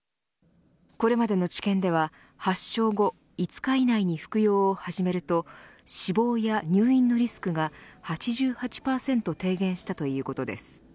これまでの治験では発症後５日以内に服用を始めると死亡や入院のリスクは８８％低減したということです。